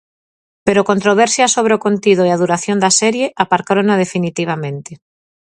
Pero controversias sobre o contido e a duración da serie aparcárona definitivamente.